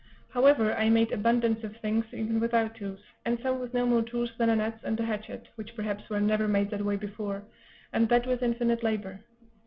However, I made abundance of things, even without tools; and some with no more tools than an adze and a hatchet, which perhaps were never made that way before, and that with infinite labor.